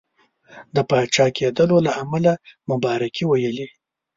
د پاچا کېدلو له امله مبارکي ویلې.